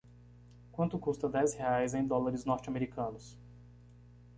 quanto custa dez reais em dólares norte americanos